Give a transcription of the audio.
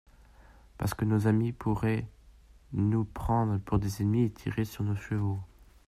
Parce que nos amis pourraient nous prendre pour des ennemis et tirer sur nos chevaux.